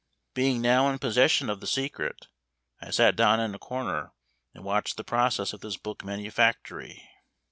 Being now in possession of the secret, I sat down in a corner, and watched the process of this book manufactory.